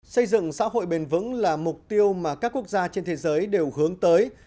xây dựng xã hội bền vững là mục tiêu mà các quốc gia trên thế giới đều hướng tới